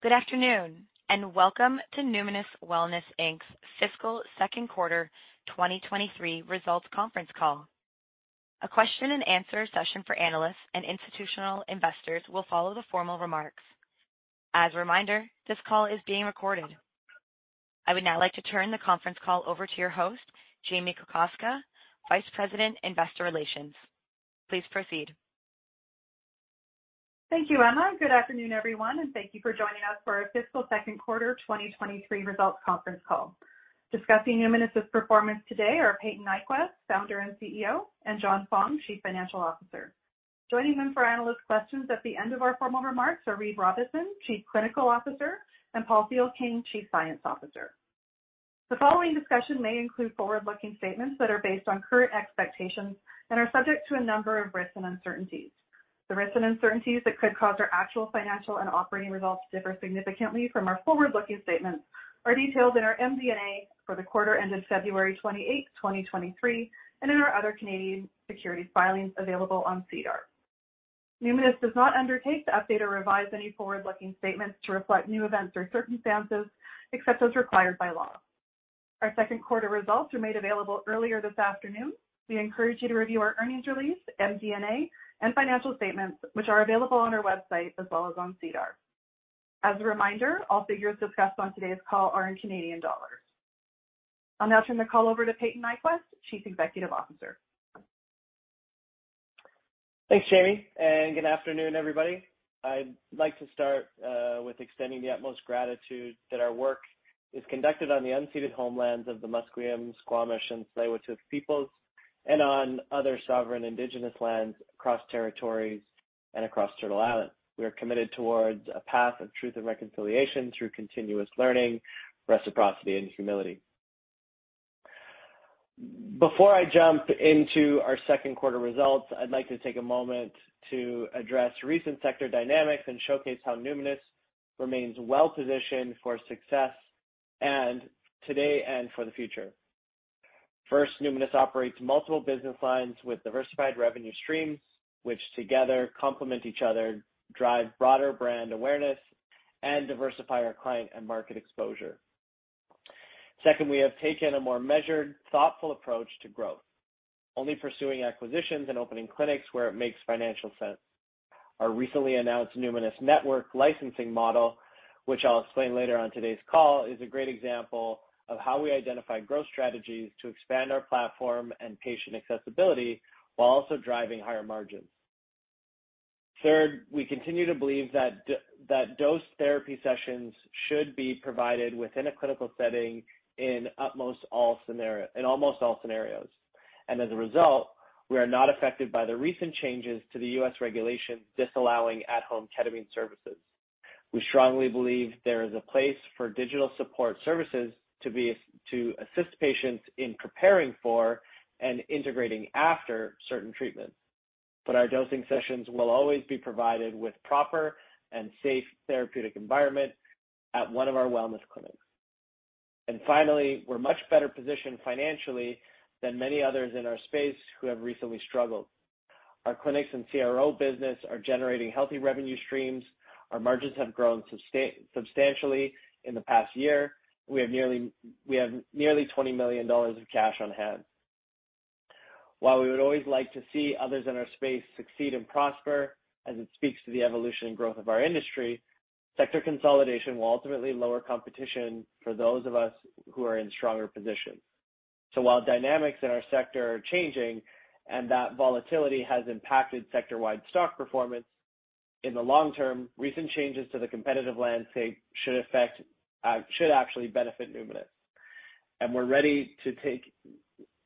Good afternoon, welcome to Numinus Wellness Inc's fiscal Q2 2023 results conference call. A question and answer session for analysts and institutional investors will follow the formal remarks. As a reminder, this call is being recorded. I would now like to turn the conference call over to your host, Jamie Kokoska, Vice President, Investor Relations. Please proceed. Thank you, Emma. Good afternoon, everyone, and thank you for joining us for our fiscal Q2 2023 results conference call. Discussing Numinus's performance today are Payton Nyquvest, Founder and CEO, and John Fong, Chief Financial Officer. Joining them for analyst questions at the end of our formal remarks are Reid Robison, Chief Clinical Officer, and Paul Thielking, Chief Science Officer. The following discussion may include forward-looking statements that are based on current expectations and are subject to a number of risks and uncertainties. The risks and uncertainties that could cause our actual financial and operating results to differ significantly from our forward-looking statements are detailed in our MD&A for the quarter ended February 28, 2023, and in our other Canadian securities filings available on SEDAR. Numinus does not undertake to update or revise any forward-looking statements to reflect new events or circumstances, except as required by law. Our Q2 results were made available earlier this afternoon. We encourage you to review our earnings release, MD&A, and financial statements, which are available on our website as well as on SEDAR. As a reminder, all figures discussed on today's call are in Canadian dollars. I'll now turn the call over to Payton Nyquvest, Chief Executive Officer. Thanks, Jamie. Good afternoon, everybody. I'd like to start with extending the utmost gratitude that our work is conducted on the unceded homelands of the Musqueam, Squamish, and Tsleil-Waututh peoples and on other sovereign indigenous lands across territories and across Turtle Island. We are committed towards a path of truth and reconciliation through continuous learning, reciprocity, and humility. Before I jump into our Q2 results, I'd like to take a moment to address recent sector dynamics and showcase how Numinus remains well-positioned for success and today and for the future. First, Numinus operates multiple business lines with diversified revenue streams, which together complement each other, drive broader brand awareness, and diversify our client and market exposure. Second, we have taken a more measured, thoughtful approach to growth, only pursuing acquisitions and opening clinics where it makes financial sense. Our recently announced Numinus Network licensing model, which I'll explain later on today's call, is a great example of how we identify growth strategies to expand our platform and patient accessibility while also driving higher margins. We continue to believe that dose therapy sessions should be provided within a clinical setting in almost all scenarios. As a result, we are not affected by the recent changes to the U.S. regulation disallowing at-home ketamine services. We strongly believe there is a place for digital support services to assist patients in preparing for and integrating after certain treatments. Our dosing sessions will always be provided with proper and safe therapeutic environment at one of our wellness clinics. Finally, we're much better positioned financially than many others in our space who have recently struggled. Our clinics and CRO business are generating healthy revenue streams. Our margins have grown substantially in the past year. We have nearly 20 million dollars of cash on hand. While we would always like to see others in our space succeed and prosper, as it speaks to the evolution and growth of our industry, sector consolidation will ultimately lower competition for those of us who are in stronger positions. While dynamics in our sector are changing and that volatility has impacted sector-wide stock performance, in the long term, recent changes to the competitive landscape should affect, should actually benefit Numinus.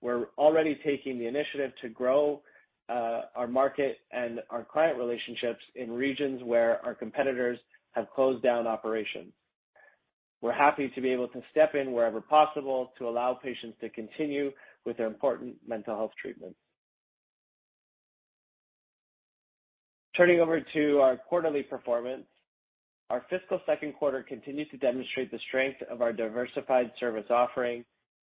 We're already taking the initiative to grow our market and our client relationships in regions where our competitors have closed down operations. We're happy to be able to step in wherever possible to allow patients to continue with their important mental health treatments. Turning over to our quarterly performance. Our fiscal Q2 continues to demonstrate the strength of our diversified service offering,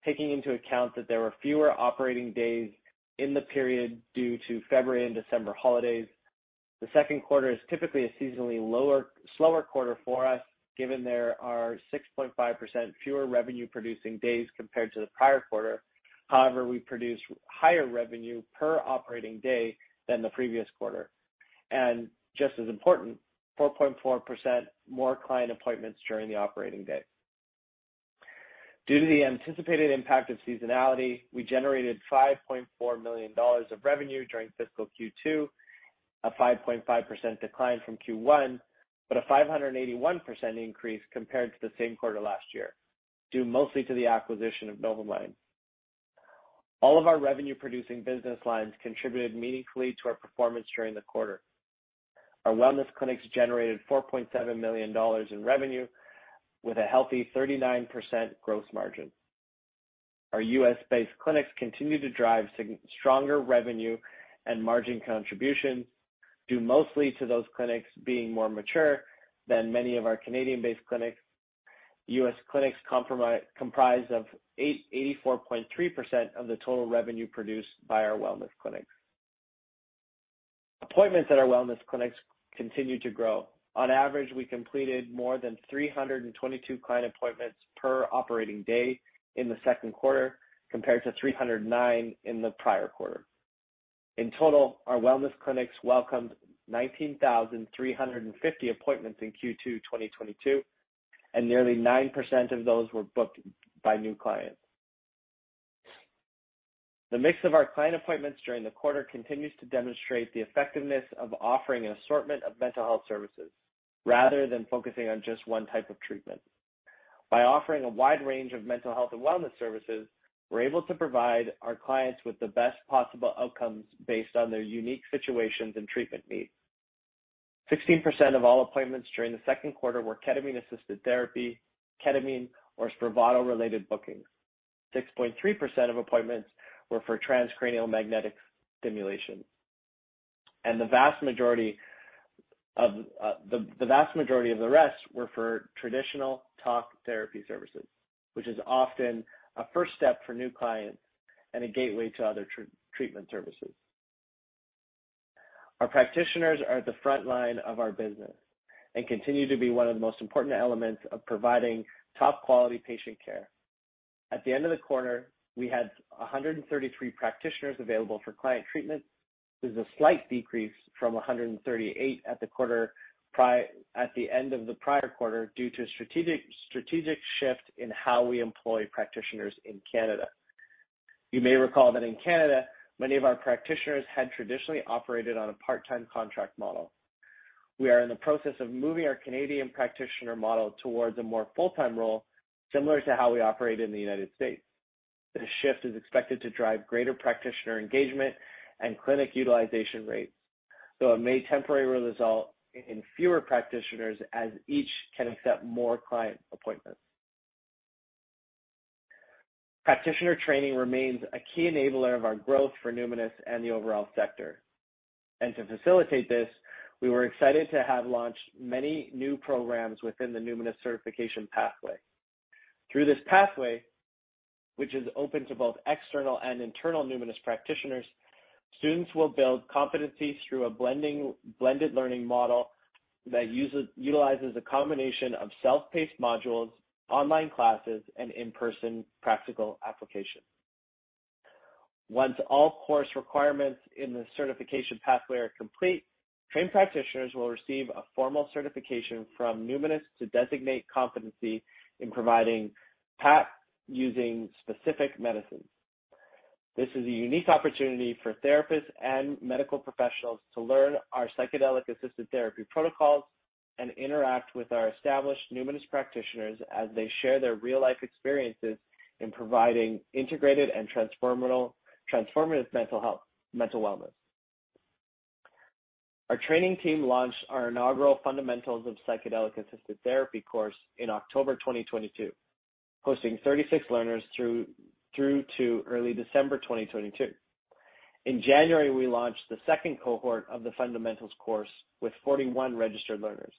taking into account that there were fewer operating days in the period due to February and December holidays. The Q2 is typically a seasonally lower, slower quarter for us, given there are 6.5% fewer revenue-producing days compared to the prior quarter. However, we produced higher revenue per operating day than the previous quarter. Just as important, 4.4% more client appointments during the operating day. Due to the anticipated impact of seasonality, we generated 5.4 million dollars of revenue during fiscal Q2, a 5.5% decline from Q1, a 581% increase compared to the same quarter last year, due mostly to the acquisition of Novamind. All of our revenue-producing business lines contributed meaningfully to our performance during the quarter. Our wellness clinics generated 4.7 million dollars in revenue with a healthy 39% gross margin. Our U.S.-based clinics continue to drive stronger revenue and margin contribution, due mostly to those clinics being more mature than many of our Canadian-based clinics. U.S. clinics comprise of 84.3% of the total revenue produced by our wellness clinics. Appointments at our wellness clinics continue to grow. On average, we completed more than 322 client appointments per operating day in the Q2 compared to 309 in the prior quarter. In total, our wellness clinics welcomed 19,350 appointments in Q2 2022, and nearly 9% of those were booked by new clients. The mix of our client appointments during the quarter continues to demonstrate the effectiveness of offering an assortment of mental health services rather than focusing on just one type of treatment. By offering a wide range of mental health and wellness services, we're able to provide our clients with the best possible outcomes based on their unique situations and treatment needs. 16% of all appointments during the Q2 were ketamine-assisted therapy, ketamine, or Spravato-related bookings. 6.3% of appointments were for transcranial magnetic stimulation. The vast majority of the rest were for traditional talk therapy services, which is often a first step for new clients and a gateway to other treatment services. Our practitioners are at the frontline of our business and continue to be one of the most important elements of providing top quality patient care. At the end of the quarter, we had 133 practitioners available for client treatment. This is a slight decrease from 138 at the end of the prior quarter due to a strategic shift in how we employ practitioners in Canada. You may recall that in Canada, many of our practitioners had traditionally operated on a part-time contract model. We are in the process of moving our Canadian practitioner model towards a more full-time role, similar to how we operate in the United States. This shift is expected to drive greater practitioner engagement and clinic utilization rates, so it may temporarily result in fewer practitioners as each can accept more client appointments. Practitioner training remains a key enabler of our growth for Numinus and the overall sector. To facilitate this, we were excited to have launched many new programs within the Numinus Certification Pathway. Through this pathway, which is open to both external and internal Numinus practitioners, students will build competencies through a blended learning model that utilizes a combination of self-paced modules, online classes, and in-person practical application. Once all course requirements in the certification pathway are complete, trained practitioners will receive a formal certification from Numinus to designate competency in providing PAT using specific medicines. This is a unique opportunity for therapists and medical professionals to learn our psychedelic-assisted therapy protocols and interact with our established Numinus practitioners as they share their real-life experiences in providing integrated and transformative mental health, mental wellness. Our training team launched our inaugural Fundamentals of Psychedelic-Assisted Therapy course in October 2022, hosting 36 learners through to early December 2022. In January, we launched the second cohort of the Fundamentals course with 41 registered learners.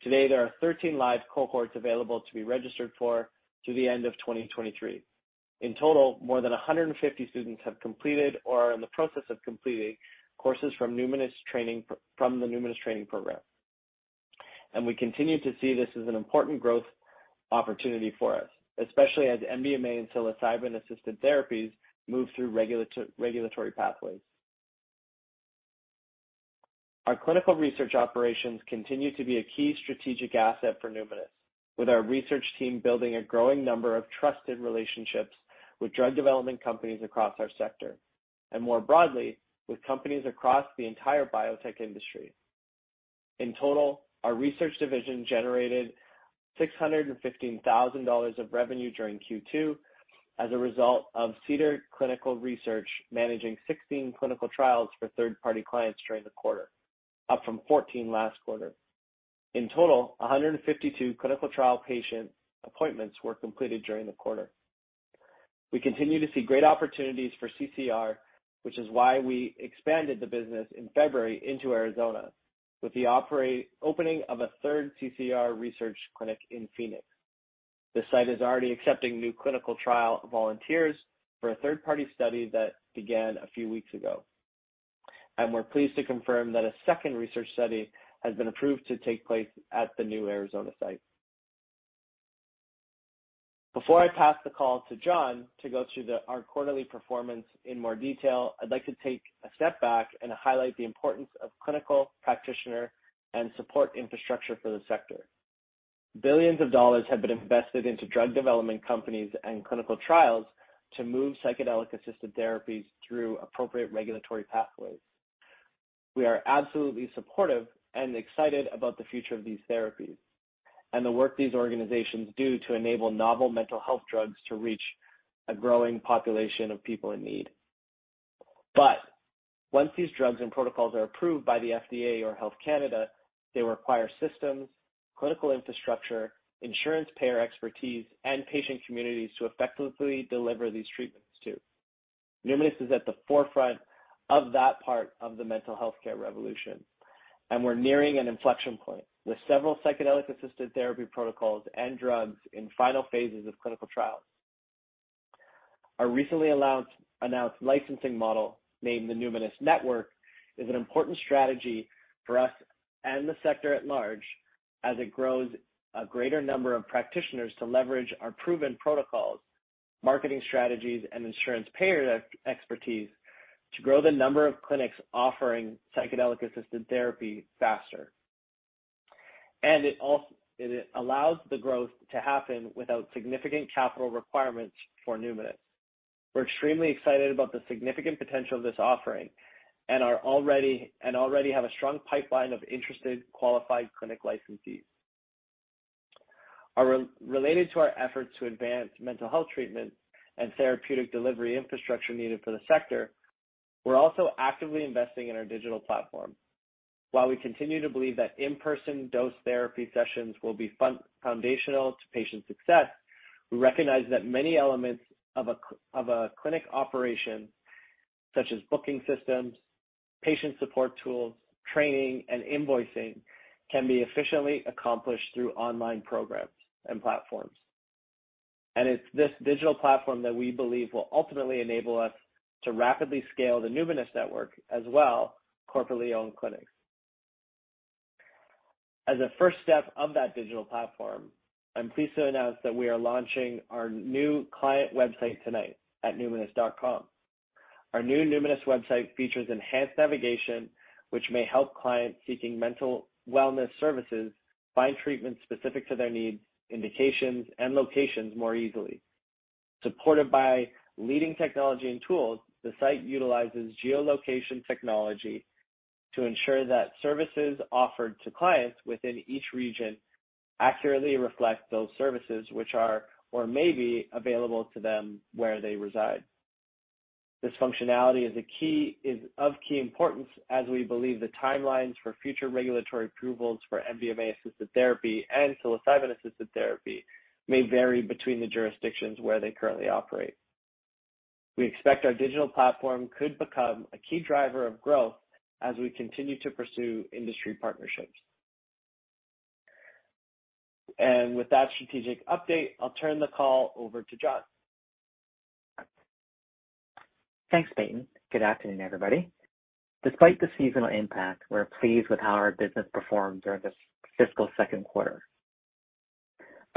Today, there are 13 live cohorts available to be registered for through the end of 2023. In total, more than 150 students have completed or are in the process of completing courses from the Numinus training program. We continue to see this as an important growth opportunity for us, especially as MDMA and psilocybin-assisted therapies move through regulatory pathways. Our clinical research operations continue to be a key strategic asset for Numinus, with our research team building a growing number of trusted relationships with drug development companies across our sector, and more broadly, with companies across the entire biotech industry. In total, our research division generated 615,000 dollars of revenue during Q2 as a result of Cedar Clinical Research managing 16 clinical trials for third-party clients during the quarter, up from 14 last quarter. In total, 152 clinical trial patient appointments were completed during the quarter. We continue to see great opportunities for CCR, which is why we expanded the business in February into Arizona with the opening of a third CCR research clinic in Phoenix. This site is already accepting new clinical trial volunteers for a third-party study that began a few weeks ago. We're pleased to confirm that a second research study has been approved to take place at the new Arizona site. Before I pass the call to John to go through our quarterly performance in more detail, I'd like to take a step back and highlight the importance of clinical practitioner and support infrastructure for the sector. Billions of dollars have been invested into drug development companies and clinical trials to move psychedelic-assisted therapies through appropriate regulatory pathways. We are absolutely supportive and excited about the future of these therapies and the work these organizations do to enable novel mental health drugs to reach a growing population of people in need. Once these drugs and protocols are approved by the FDA or Health Canada, they require systems, clinical infrastructure, insurance payer expertise, and patient communities to effectively deliver these treatments to. Numinus is at the forefront of that part of the mental healthcare revolution, and we're nearing an inflection point with several psychedelic-assisted therapy protocols and drugs in final phases of clinical trials. Our recently announced licensing model named the Numinus Network, is an important strategy for us and the sector at large as it grows a greater number of practitioners to leverage our proven protocols, marketing strategies, and insurance payer expertise to grow the number of clinics offering psychedelic-assisted therapy faster. It allows the growth to happen without significant capital requirements for Numinus. We're extremely excited about the significant potential of this offering and already have a strong pipeline of interested, qualified clinic licensees. Related to our efforts to advance mental health treatment and therapeutic delivery infrastructure needed for the sector, we're also actively investing in our digital platform. While we continue to believe that in-person dose therapy sessions will be foundational to patient success, we recognize that many elements of a clinic operation, such as booking systems, patient support tools, training, and invoicing, can be efficiently accomplished through online programs and platforms. It's this digital platform that we believe will ultimately enable us to rapidly scale the Numinus Network as well corporately owned clinics. As a first step of that digital platform, I'm pleased to announce that we are launching our new client website tonight at numinus.com. Our new Numinus website features enhanced navigation, which may help clients seeking mental wellness services find treatments specific to their needs, indications, and locations more easily. Supported by leading technology and tools, the site utilizes geolocation technology to ensure that services offered to clients within each region accurately reflect those services which are or may be available to them where they reside. This functionality is of key importance as we believe the timelines for future regulatory approvals for MDMA-assisted therapy and psilocybin-assisted therapy may vary between the jurisdictions where they currently operate. We expect our digital platform could become a key driver of growth as we continue to pursue industry partnerships. With that strategic update, I'll turn the call over to John. Thanks, Peyton. Good afternoon, everybody. Despite the seasonal impact, we're pleased with how our business performed during this fiscal Q2.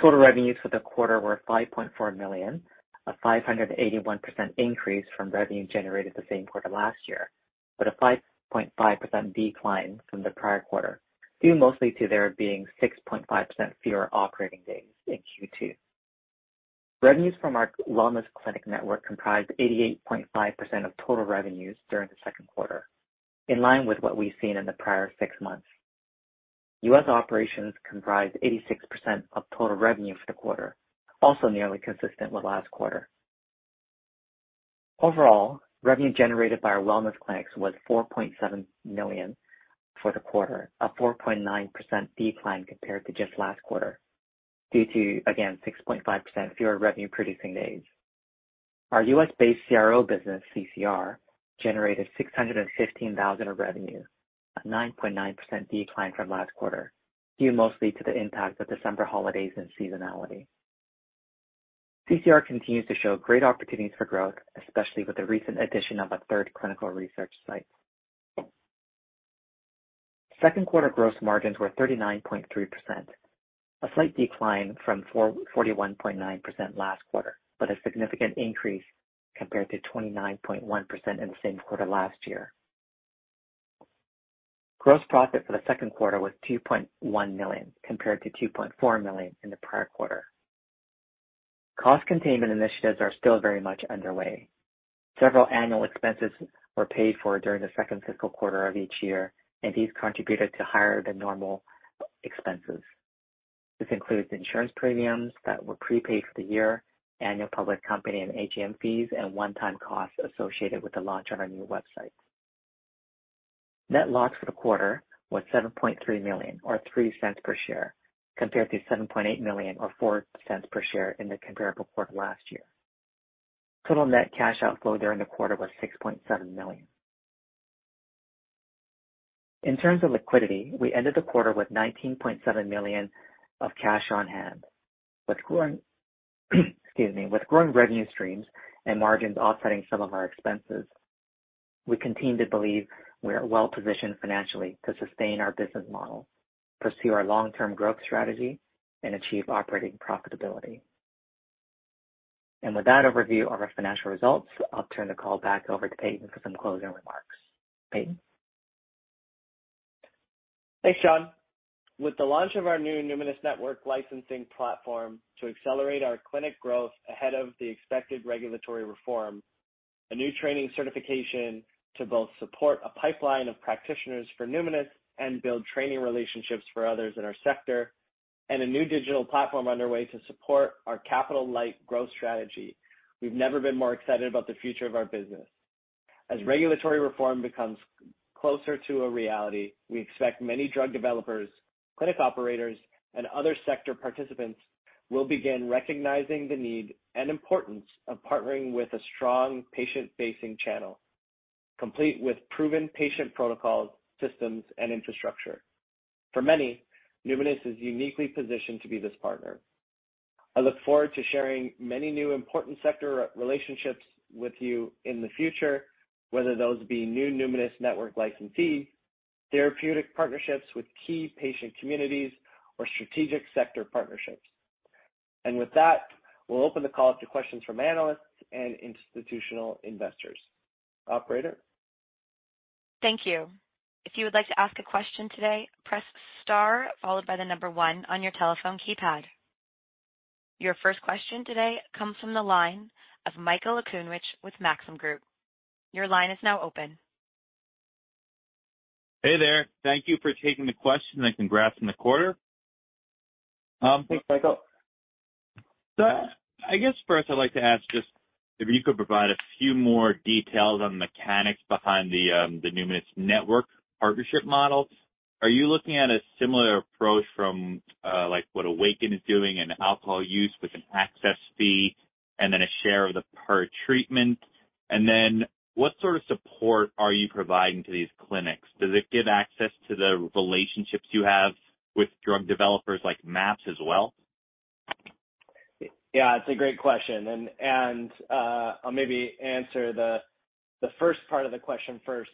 Total revenues for the quarter were 5.4 million, a 581% increase from revenue generated the same quarter last year, but a 5.5% decline from the prior quarter, due mostly to there being 6.5% fewer operating days in Q2. Revenues from our wellness clinic network comprised 88.5% of total revenues during the Q2, in line with what we've seen in the prior six months. US operations comprised 86% of total revenue for the quarter, also nearly consistent with last quarter. Overall, revenue generated by our wellness clinics was $4.7 million for the quarter, a 4.9% decline compared to just last quarter due to, again, 6.5% fewer revenue-producing days. Our US-based CRO business, CCR, generated $615,000 of revenue, a 9.9% decline from last quarter, due mostly to the impact of December holidays and seasonality. CCR continues to show great opportunities for growth, especially with the recent addition of a third clinical research site. Q2 gross margins were 39.3%, a slight decline from 41.9% last quarter, but a significant increase compared to 29.1% in the same quarter last year. Gross profit for the Q2 was $2.1 million compared to $2.4 million in the prior quarter. Cost containment initiatives are still very much underway. Several annual expenses were paid for during the second fiscal quarter of each year, and these contributed to higher than normal expenses. This includes insurance premiums that were prepaid for the year, annual public company and AGM fees, and one-time costs associated with the launch of our new website. Net loss for the quarter was 7.3 million or 0.03 per share, compared to 7.8 million or 0.04 per share in the comparable quarter last year. Total net cash outflow during the quarter was 6.7 million. In terms of liquidity, we ended the quarter with 19.7 million of cash on hand. With growing, excuse me, with growing revenue streams and margins offsetting some of our expenses, we continue to believe we are well-positioned financially to sustain our business model, pursue our long-term growth strategy, and achieve operating profitability. With that overview of our financial results, I'll turn the call back over to Payton for some closing remarks. Payton. Thanks, John. With the launch of our new Numinus Network licensing platform to accelerate our clinic growth ahead of the expected regulatory reform, a new training certification to both support a pipeline of practitioners for Numinus and build training relationships for others in our sector, and a new digital platform underway to support our capital-light growth strategy, we've never been more excited about the future of our business. As regulatory reform becomes closer to a reality, we expect many drug developers, clinic operators, and other sector participants will begin recognizing the need and importance of partnering with a strong patient-facing channel, complete with proven patient protocols, systems, and infrastructure. For many, Numinus is uniquely positioned to be this partner. I look forward to sharing many new important sector relationships with you in the future, whether those be new Numinus Network licensees, therapeutic partnerships with key patient communities, or strategic sector partnerships. With that, we'll open the call to questions from analysts and institutional investors. Operator? Thank you. If you would like to ask a question today, press star followed by the number 1 on your telephone keypad. Your first question today comes from the line of Michael Okunewitch with Maxim Group. Your line is now open. Hey there. Thank you for taking the question, and congrats on the quarter. Thanks, Michael. I guess first I'd like to ask just if you could provide a few more details on the mechanics behind the Numinus Network partnership model. Are you looking at a similar approach from like what Awakn is doing in alcohol use with an access fee and then a share of the per treatment? What sort of support are you providing to these clinics? Does it give access to the relationships you have with drug developers like MAPS as well? Yeah, it's a great question. I'll maybe answer the first part of the question first,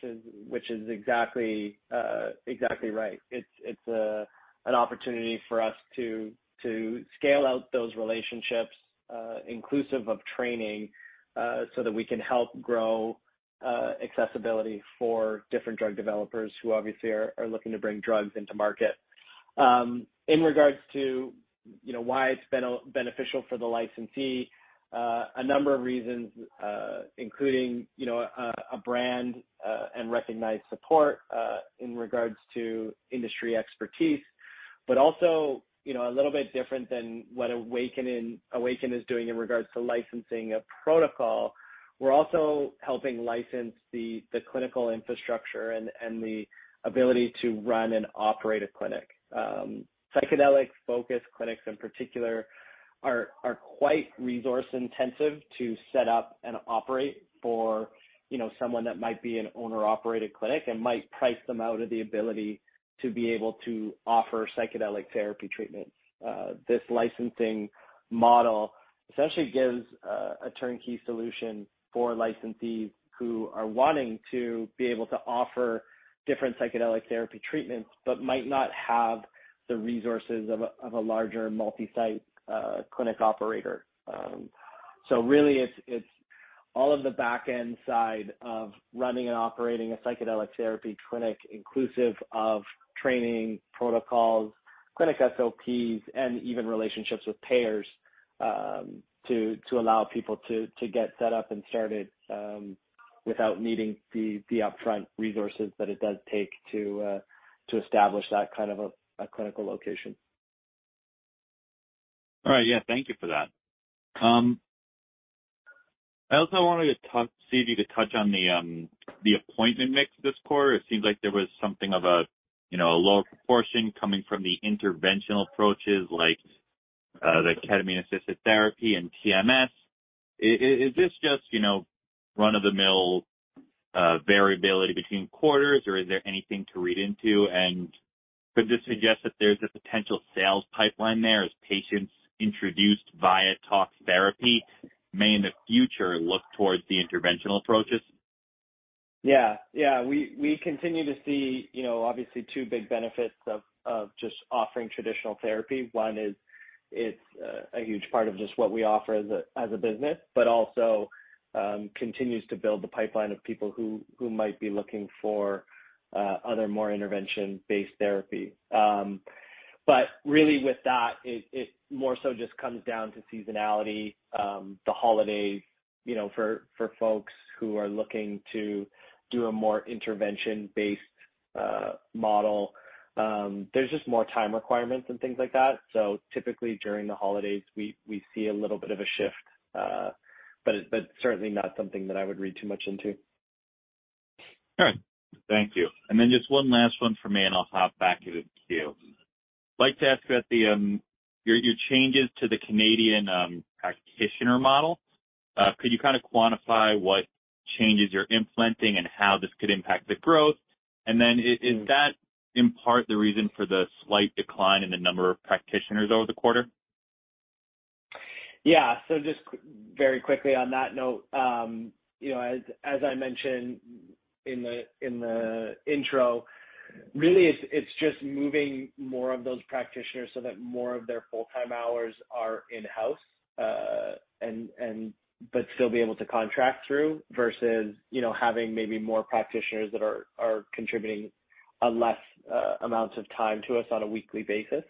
which is exactly right. It's an opportunity for us to scale out those relationships, inclusive of training, so that we can help grow accessibility for different drug developers who obviously are looking to bring drugs into market. In regards to, you know, why it's beneficial for the licensee, a number of reasons, including, you know, a brand and recognized support in regards to industry expertise. Also, you know, a little bit different than what Awakn is doing in regards to licensing a protocol. We're also helping license the clinical infrastructure and the ability to run and operate a clinic. Psychedelic-focused clinics in particular are quite resource-intensive to set up and operate for, you know, someone that might be an owner-operated clinic and might price them out of the ability to be able to offer psychedelic therapy treatments. This licensing model essentially gives a turnkey solution for licensees who are wanting to be able to offer different psychedelic therapy treatments but might not have the resources of a larger multi-site clinic operator. So really it's all of the back-end side of running and operating a psychedelic therapy clinic, inclusive of training, protocols, clinic SOPs, and even relationships with payers to allow people to get set up and started without needing the upfront resources that it does take to establish that kind of a clinical location. Yeah, thank you for that. I also wanted to see if you could touch on the appointment mix this quarter. It seems like there was something of a, you know, a lower proportion coming from the interventional approaches like the ketamine-assisted therapy and TMS. Is this just, you know, run-of-the-mill variability between quarters, or is there anything to read into? Could this suggest that there's a potential sales pipeline there as patients introduced via talks therapy may in the future look towards the interventional approaches? Yeah. Yeah. We continue to see, you know, obviously two big benefits of just offering traditional therapy. One is it's a huge part of just what we offer as a business, but also continues to build the pipeline of people who might be looking for other more intervention-based therapy. Really with that it more so just comes down to seasonality, the holidays, you know, for folks who are looking for a more intervention-based model. There's just more time requirements and things like that. Typically during the holidays, we see a little bit of a shift. Certainly not something that I would read too much into. All right. Thank you. Just one last one for me, and I'll hop back into the queue. I'd like to ask about the, your changes to the Canadian practitioner model. Could you kind of quantify what changes you're implementing and how this could impact the growth? Is that in part the reason for the slight decline in the number of practitioners over the quarter? Yeah. Just very quickly on that note, you know, as I mentioned in the intro, really it's just moving more of those practitioners so that more of their full-time hours are in-house. Still be able to contract through versus, you know, having maybe more practitioners that are contributing a less amounts of time to us on a weekly basis.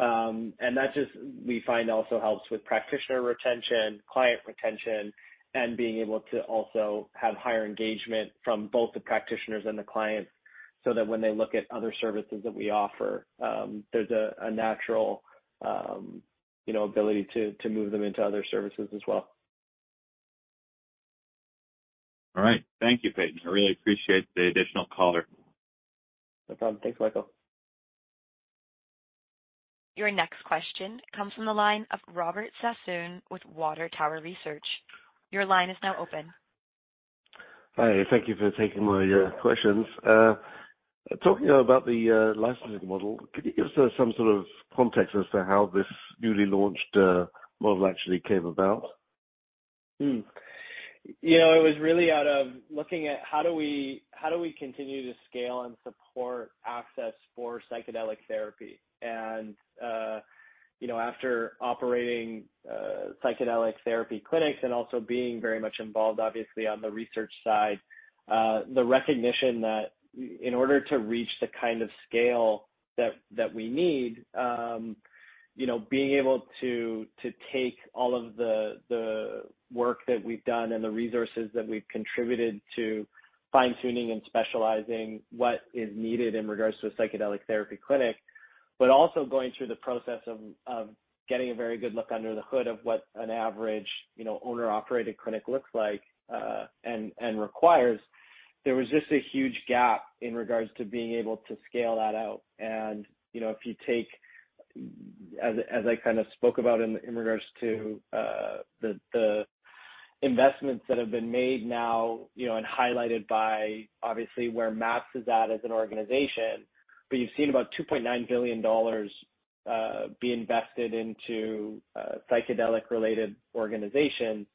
That just we find also helps with practitioner retention, client retention, and being able to also have higher engagement from both the practitioners and the clients so that when they look at other services that we offer, there's a natural, you know, ability to move them into other services as well. All right. Thank you, Payton. I really appreciate the additional color. No problem. Thanks, Michael. Your next question comes from the line of Robert Sassoon with Water Tower Research. Your line is now open. Hi, thank you for taking my questions. Talking about the licensing model, could you give us some sort of context as to how this newly launched model actually came about? You know, it was really out of looking at how do we continue to scale and support access for psychedelic therapy? You know, after operating psychedelic therapy clinics and also being very much involved obviously on the research side, the recognition that in order to reach the kind of scale that we need, you know, being able to take all of the work that we've done and the resources that we've contributed to fine-tuning and specializing what is needed in regards to a psychedelic therapy clinic. Also going through the process of getting a very good look under the hood of what an average, you know, owner-operated clinic looks like and requires. There was just a huge gap in regards to being able to scale that out. You know, if you take, as I kind of spoke about in regards to the investments that have been made now, you know, and highlighted by obviously where MAPS is at as an organization. You've seen about $2.9 billion be invested into psychedelic-related organizations,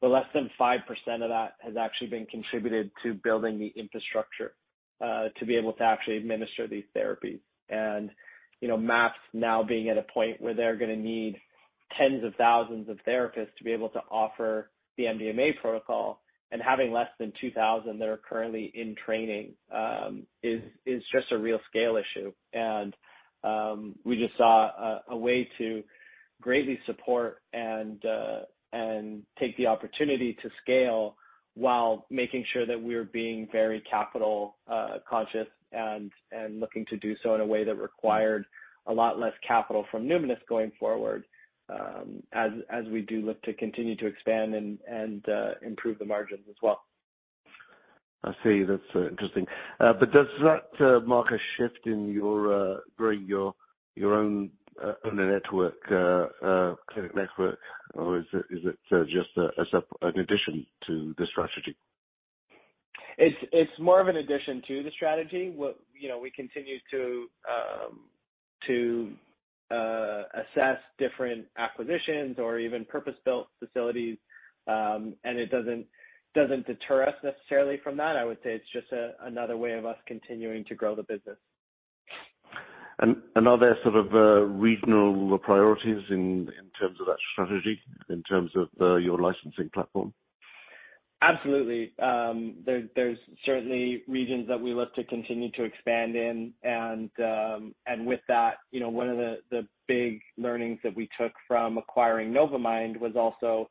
but less than 5% of that has actually been contributed to building the infrastructure to be able to actually administer these therapies. You know, MAPS now being at a point where they're gonna need tens of thousands of therapists to be able to offer the MDMA protocol and having less than 2,000 that are currently in training, is just a real scale issue. We just saw a way to greatly support and take the opportunity to scale while making sure that we're being very capital conscious and looking to do so in a way that required a lot less capital from Numinus going forward, as we do look to continue to expand and improve the margins as well. I see. That's interesting. Does that mark a shift in your growing your own owner network, clinic network? Or is it just an addition to the strategy? It's more of an addition to the strategy. You know, we continue to assess different acquisitions or even purpose-built facilities. It doesn't deter us necessarily from that. I would say it's just another way of us continuing to grow the business. Are there sort of regional priorities in terms of that strategy, in terms of your licensing platform? Absolutely. There, there's certainly regions that we look to continue to expand in. With that, you know, one of the big learnings that we took from acquiring Novamind was also,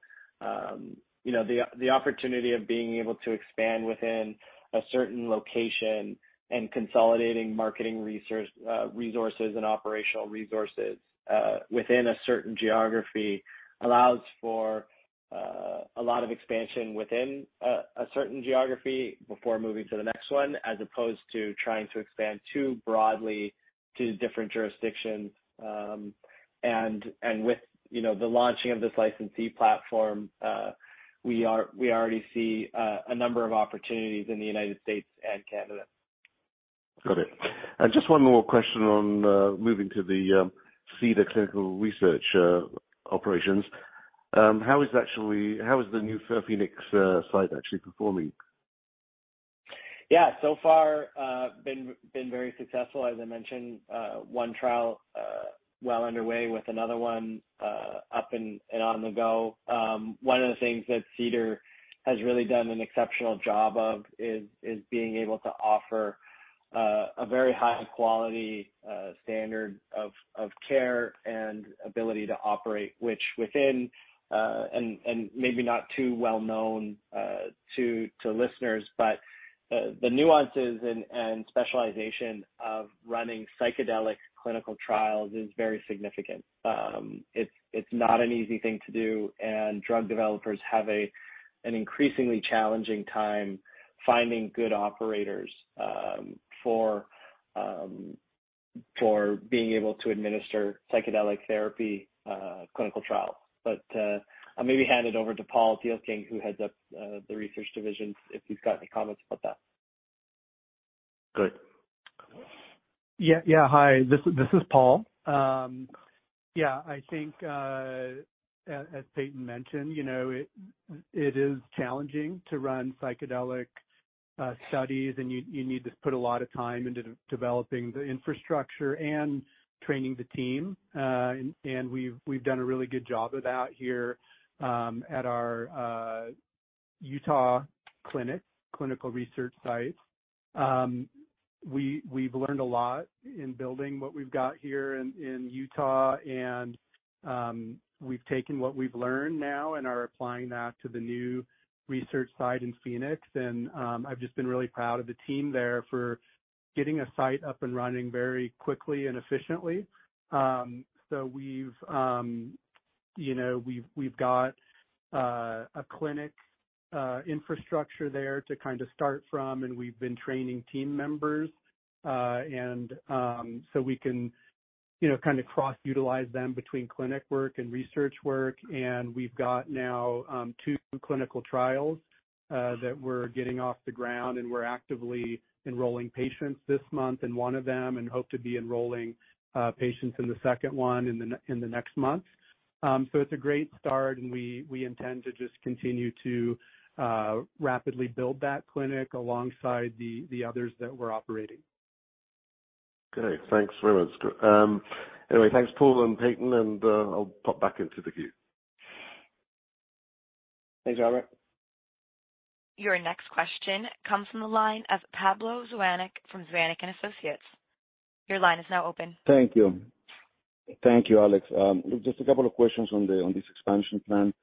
you know, the opportunity of being able to expand within a certain location and consolidating marketing resources and operational resources within a certain geography allows for a lot of expansion within a certain geography before moving to the next one, as opposed to trying to expand too broadly to different jurisdictions. With, you know, the launching of this licensee platform, we already see a number of opportunities in the United States and Canada. Got it. Just one more question on, moving to the Cedar Clinical Research, operations. How is the new Phoenix site actually performing? Yeah. So far, been very successful. As I mentioned, one trial well underway with another one up and on the go. One of the things that Cedar has really done an exceptional job of is being able to offer a very high quality standard of care and ability to operate, which within and maybe not too well known to listeners. The nuances and specialization of running psychedelic clinical trials is very significant. It's not an easy thing to do, drug developers have an increasingly challenging time finding good operators for being able to administer psychedelic therapy clinical trials. I'll maybe hand it over to Paul Thielking, who heads up the research division, if he's got any comments about that. Good. Yeah, hi, this is Paul. I think, as Payton mentioned, you know, it is challenging to run psychedelic studies, and you need to put a lot of time into de-developing the infrastructure and training the team. And we've done a really good job of that here at our Utah clinic, clinical research site. We've learned a lot in building what we've got here in Utah and we've taken what we've learned now and are applying that to the new research site in Phoenix. I've just been really proud of the team there for getting a site up and running very quickly and efficiently. We've You know, we've got a clinic infrastructure there to kind of start from, and we've been training team members, and so we can, you know, kind of cross-utilize them between clinic work and research work. We've got now two clinical trials that we're getting off the ground, and we're actively enrolling patients this month in one of them and hope to be enrolling patients in the second one in the next month. It's a great start, and we intend to just continue to rapidly build that clinic alongside the others that we're operating. Okay. Thanks very much. Thanks, Paul and Payton, and I'll pop back into the queue. Thanks, Robert. Your next question comes from the line of Pablo Zuanic from Zuanic & Associates. Your line is now open. Thank you. Thank you, Alex. Just a couple of questions on the, on this expansion plan.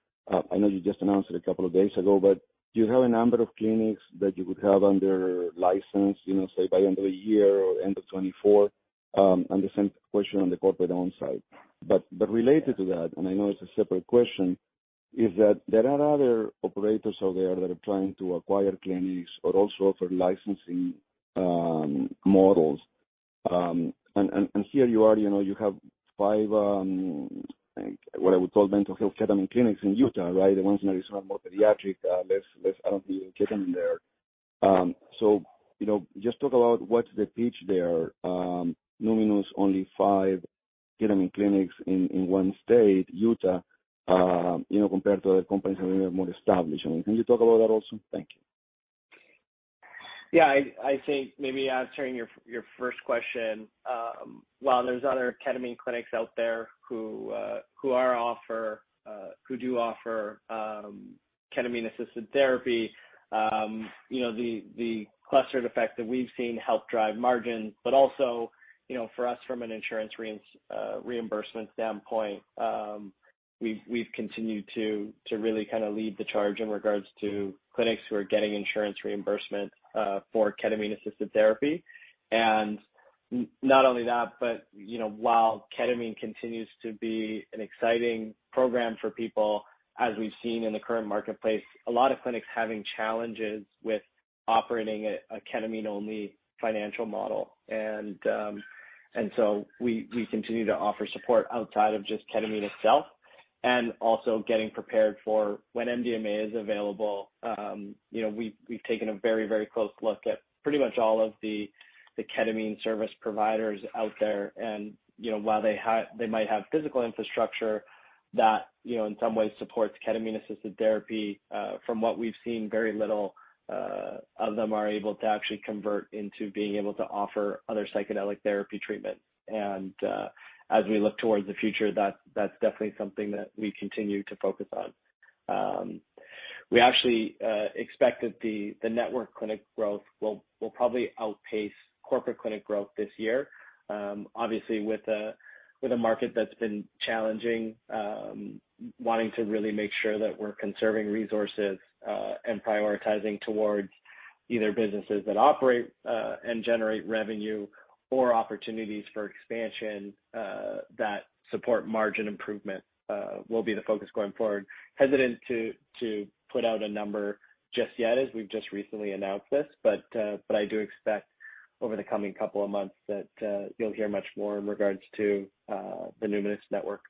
I know you just announced it a couple of days ago, do you have a number of clinics that you would have under license, you know, say, by end of the year or end of 2024? The same question on the corporate owned site. Related to that, I know it's a separate question, is that there are other operators out there that are trying to acquire clinics or also offer licensing models. Here you are, you know, you have 5 what I would call mental health ketamine clinics in Utah, right? The ones in Arizona are more pediatric, less, I don't think even ketamine there. You know, just talk about what's the pitch there. Numinus only five ketamine clinics in one state, Utah, you know, compared to other companies that are a bit more established. I mean, can you talk about that also? Thank you. Yeah. I think maybe answering your first question, while there's other ketamine clinics out there who do offer, ketamine-assisted therapy, you know, the clustered effect that we've seen help drive margin, but also, you know, for us from an insurance reimbursement standpoint, we've continued to really kind of lead the charge in regards to clinics who are getting insurance reimbursement, for ketamine-assisted therapy. Not only that, but, you know, while ketamine continues to be an exciting program for people, as we've seen in the current marketplace, a lot of clinics having challenges with operating a ketamine-only financial model. We continue to offer support outside of just ketamine itself and also getting prepared for when MDMA is available. You know, we've taken a very close look at pretty much all of the ketamine service providers out there. You know, while they might have physical infrastructure that, you know, in some ways supports ketamine-assisted therapy, from what we've seen, very little of them are able to actually convert into being able to offer other psychedelic therapy treatments. As we look towards the future, that's definitely something that we continue to focus on. We actually expect that the network clinic growth will probably outpace corporate clinic growth this year. Obviously with a, with a market that's been challenging, wanting to really make sure that we're conserving resources, and prioritizing towards either businesses that operate, and generate revenue or opportunities for expansion, that support margin improvement, will be the focus going forward. Hesitant to put out a number just yet as we've just recently announced this, but I do expect over the coming couple of months that you'll hear much more in regards to the Numinus Network.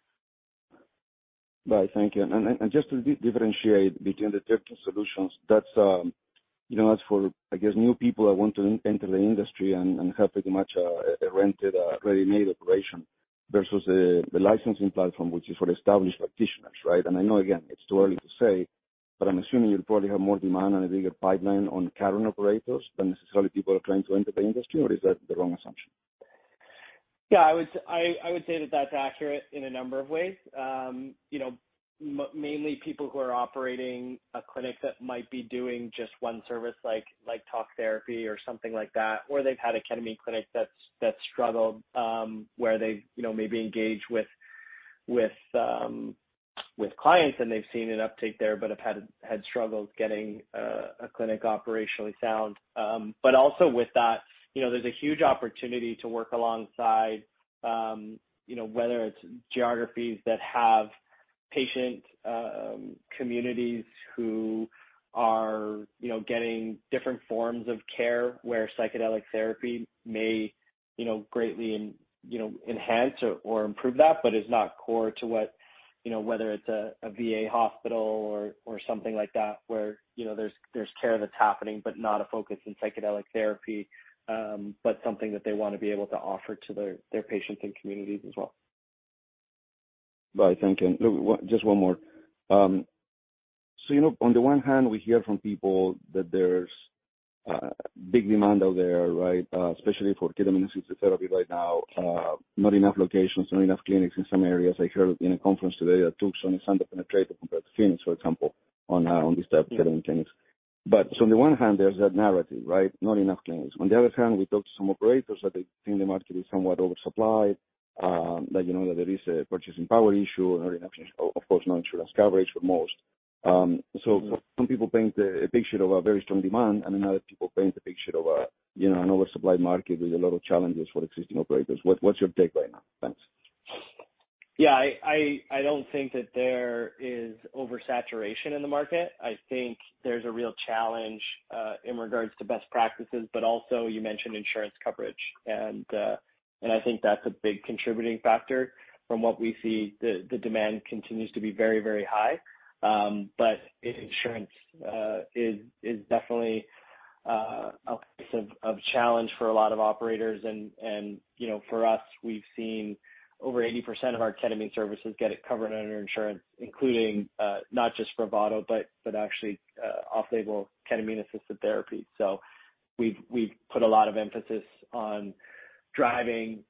Right. Thank you. Just to differentiate between the two solutions, that's, you know, that's for, I guess, new people that want to enter the industry and have pretty much a rented, ready-made operation versus the licensing platform, which is for established practitioners, right? I know, again, it's too early to say, but I'm assuming you'll probably have more demand and a bigger pipeline on current operators than necessarily people are trying to enter the industry, or is that the wrong assumption? Yeah. I would say that that's accurate in a number of ways. You know, mainly people who are operating a clinic that might be doing just one service, like talk therapy or something like that, or they've had a ketamine clinic that's struggled, where they've, you know, maybe engaged with clients and they've seen an uptake there but have had struggles getting a clinic operationally sound. Also with that, you know, there's a huge opportunity to work alongside, you know, whether it's geographies that have patient communities who are, you know, getting different forms of care where psychedelic therapy may, you know, greatly enhance or improve that, but is not core to what, you know, whether it's a VA hospital or something like that where, you know, there's care that's happening, but not a focus in psychedelic therapy, but something that they wanna be able to offer to their patients and communities as well. Right. Thank you. Look, just one more. You know, on the one hand, we hear from people that there's a big demand out there, right? Especially for ketamine-assisted therapy right now. Not enough locations, not enough clinics in some areas. I heard in a conference today that Tucson is underpenetrated compared to Phoenix, for example, on this type of ketamine clinics. On the one hand, there's that narrative, right? Not enough clinics. On the other hand, we talk to some operators that they think the market is somewhat oversupplied, that, you know, that there is a purchasing power issue and not enough, of course, no insurance coverage for most. Some people paint a picture of a very strong demand, other people paint a picture of a, you know, an oversupplied market with a lot of challenges for existing operators. What's your take right now? Thanks. Yeah. I don't think that there is oversaturation in the market. I think there's a real challenge in regards to best practices, but also you mentioned insurance coverage, and I think that's a big contributing factor from what we see. The demand continues to be very, very high. But insurance is definitely a place of challenge for a lot of operators. You know, for us, we've seen over 80% of our ketamine services get it covered under insurance, including not just Spravato, but actually off-label ketamine-assisted therapy. We've put a lot of emphasis on driving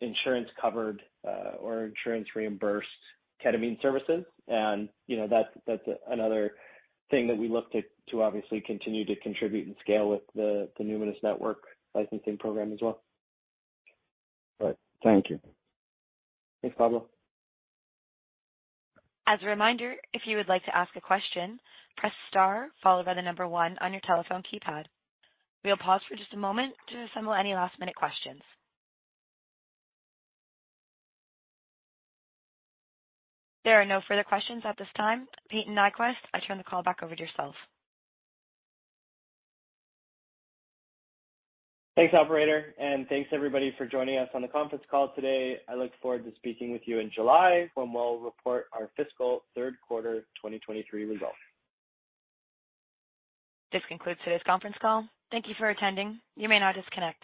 insurance-covered or insurance-reimbursed ketamine services. You know, that's another thing that we look to obviously continue to contribute and scale with the Numinus Network licensing program as well. Right. Thank you. Thanks, Pablo. As a reminder, if you would like to ask a question, press star followed by 1 on your telephone keypad. We'll pause for just a moment to assemble any last-minute questions. There are no further questions at this time. Payton Nyquvest, I turn the call back over to yourself. Thanks, operator, and thanks everybody for joining us on the conference call today. I look forward to speaking with you in July when we'll report our fiscal Q3 2023 results. This concludes today's conference call. Thank you for attending. You may now disconnect.